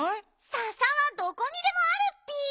ササはどこにでもあるッピ！